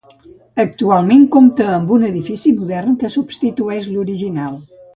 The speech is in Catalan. Actualment compta amb un edifici modern que substituïx l'original.